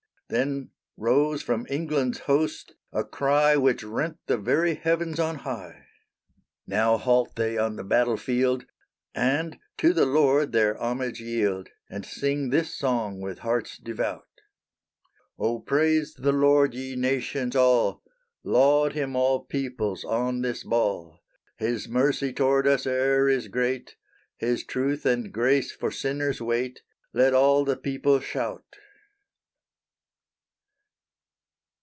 _ Then rose from England's host a cry Which rent the very heavens on high. Now halt they on the battle field And to the Lord their homage yield And sing this song with hearts devout: "_O praise the Lord, ye nations all! Laud Him all peoples on this ball! His mercy toward us e'er is great; His truth and grace for sinners wait, Let all the people shout!